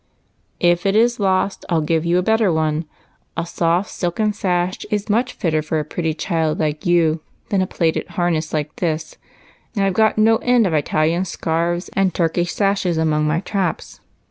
" If it is lost I '11 give you a better one. A soft silken sash is much fitter for a pretty child like you than a plated harness like this ; and I 've got no end of Italian scarfs and Turkish sashes among my traps.